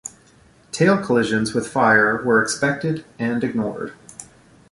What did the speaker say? Tail collisions with fire were expected and ignored.